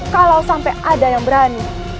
kalau sampai ada yang berani